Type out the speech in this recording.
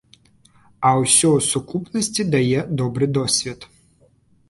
А ўсё ў сукупнасці дае добры досвед.